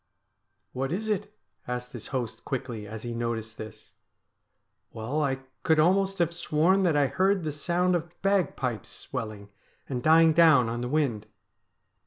' What is it ?' asked his host quickly as he noticed this. ' Well, I could almost have sworn that I heard the sound of bagpipes swelling and dying down on the wind.'